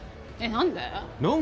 何で？